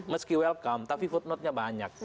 meski welcome tapi footnote nya banyak